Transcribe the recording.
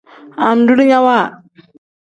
Andulinyawa.